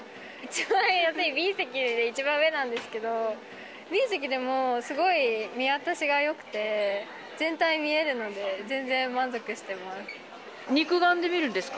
一番安いＢ席で、一番上なんですけど、Ｂ席でも、すごい見渡しがよくて、全体見えるので、全然満足してます。